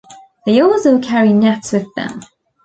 They also carry nets with them.